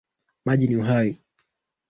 Maji ni uhai